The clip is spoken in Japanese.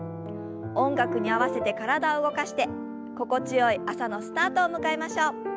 音楽に合わせて体を動かして心地よい朝のスタートを迎えましょう。